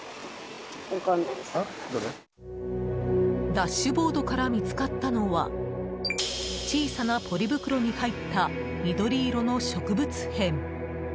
ダッシュボードから見つかったのは小さなポリ袋に入った緑色の植物片。